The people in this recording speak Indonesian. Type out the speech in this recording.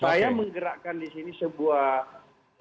saya menggerakkan di sini sebuah